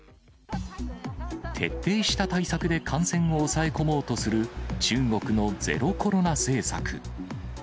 徹底した対策で感染を抑え込もうとする中国のゼロコロナ政策。